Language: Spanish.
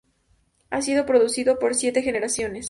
Ha sido producido por siete generaciones.